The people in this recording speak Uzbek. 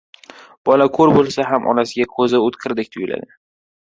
• Bola ko‘r bo‘lsa ham onasiga ko‘zi o‘tkirdek tuyuladi.